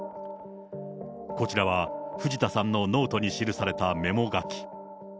こちらは藤田さんのノートに記されたメモ書き。